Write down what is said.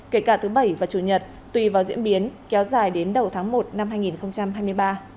kể cả thứ bảy và chủ nhật tùy vào diễn biến kéo dài đến đầu tháng một năm hai nghìn hai mươi ba